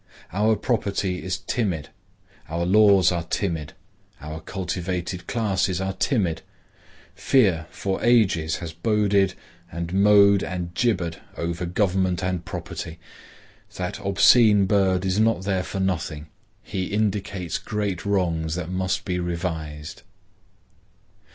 Our property is timid, our laws are timid, our cultivated classes are timid. Fear for ages has boded and mowed and gibbered over government and property. That obscene bird is not there for nothing. He indicates great wrongs which must be revised.